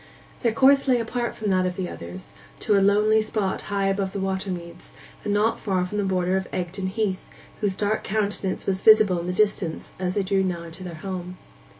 Their course lay apart from that of the others, to a lonely spot high above the water meads, and not far from the border of Egdon Heath, whose dark countenance was visible in the distance as they drew nigh to their home.